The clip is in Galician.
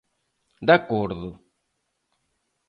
De acordo.